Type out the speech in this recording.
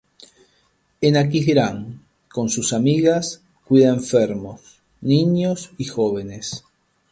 En Aquisgrán, con sus amigas, cuida enfermos, niños y jóvenes.